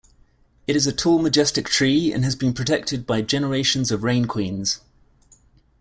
It is a tall majestic tree and has been protected by generations of rain-queens.